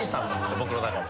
僕の中で。